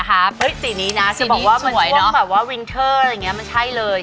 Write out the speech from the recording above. เฮ้ยสีนี้นะจะบอกว่ามันช่วงแบบวินเทอร์อะไรอย่างเงี้ยมันใช่เลย